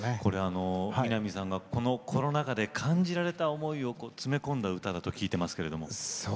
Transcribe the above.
南さんがコロナ禍で感じられた思いを詰め込んだ歌だと聞いていますけれども。